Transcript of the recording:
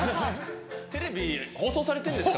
テレビ放送されてるんですか。